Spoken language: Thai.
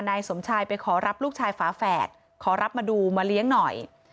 นายสมชายไปขอรับลูกชายฝาแฝดขอรับมาดูมาเลี้ยงหน่อย